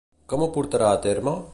Com ho portarà a terme?